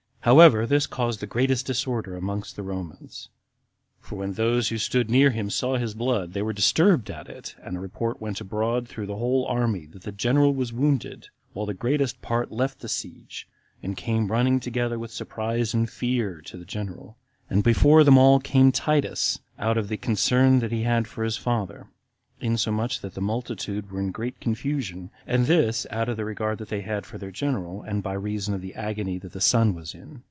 However, this caused the greatest disorder among the Romans; for when those who stood near him saw his blood, they were disturbed at it, and a report went abroad, through the whole army, that the general was wounded, while the greatest part left the siege, and came running together with surprise and fear to the general; and before them all came Titus, out of the concern he had for his father, insomuch that the multitude were in great confusion, and this out of the regard they had for their general, and by reason of the agony that the son was in.